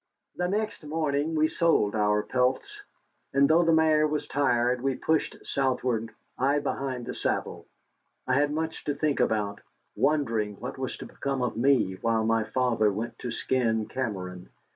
The next morning we sold our pelts. And though the mare was tired, we pushed southward, I behind the saddle. I had much to think about, wondering what was to become of me while my father went to skin Cameron.